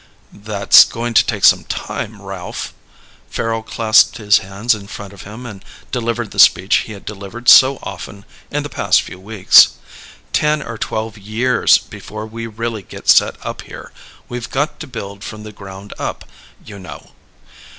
"That's going to take time, Ralph." Farrel clasped his hands in front of him and delivered the speech he had delivered so often in the past few weeks. "Ten or twelve years before we really get set up here. We've got to build from the ground up, you know.